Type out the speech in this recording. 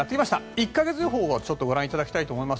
１か月予報をご覧いただきたいと思います。